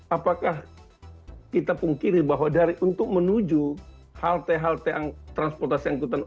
apakah kita pungkiri bahwa dari untuk menuju halte halte transportasi angkutan